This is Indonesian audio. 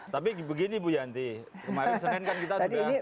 tapi begini bu yanti kemarin senin kan kita sudah